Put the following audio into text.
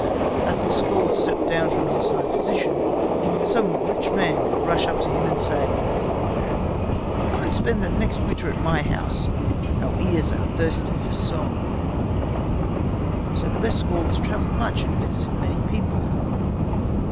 As the skald stepped down from his high position, some rich man would rush up to him and say: "Come and spend next winter at my house. Our ears are thirsty for song." So the best skalds traveled much and visited many people.